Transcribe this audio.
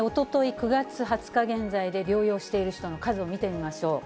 ９月２０日現在で療養している人の数を見てみましょう。